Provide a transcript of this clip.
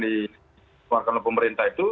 dikeluarkan oleh pemerintah itu